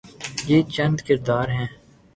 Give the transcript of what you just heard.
یہ چند کردار ہیں۔